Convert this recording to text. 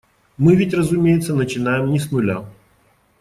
Мы ведь, разумеется, начинаем не с нуля.